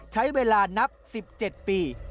ใช้เวลานับ๑๗ปี